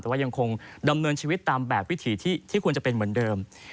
แต่ว่ายังคงดำเนินชีวิตตามแบบวิถีที่ควรจะเป็นเหมือนเดิม